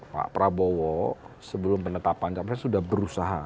pak prabowo sebelum penetapan capres sudah berusaha